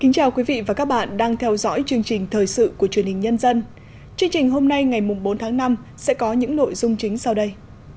chương trình hôm nay ngày bốn tháng năm sẽ có những nội dung chính sau đây